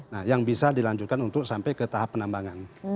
nah yang bisa dilanjutkan untuk sampai ke tahap penambangan